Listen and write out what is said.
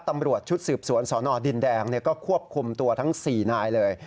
ตำรวจชุดสืบสวนสนดินแดงก็ควบคุมตัวทั้ง๔นายเลย